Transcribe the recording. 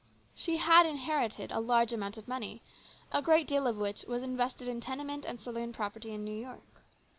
She had inherited a large amount of money, a great deal of which was invested in tenement and saloon property in New York.